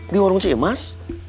di warung ciemas